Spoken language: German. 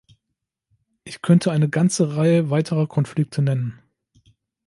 Ich könnte eine ganze Reihe weiterer Konflikte nennen.